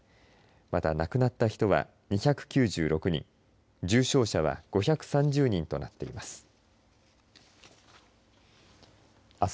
また亡くなった人は２９６人重症者は５３０人となっています。